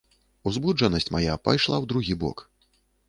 Узбуджанасць мая пайшла ў другі бок.